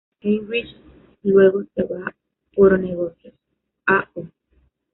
Heinrich luego se va por negocios, a.o.